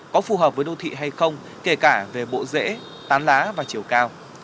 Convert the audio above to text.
có phù hợp với đô thị hay không kể cả về bộ dễ tán lá và chiều cao